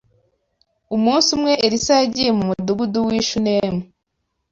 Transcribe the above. Umunsi umwe Elisa yagiye mu mudugudu w’i Shunemu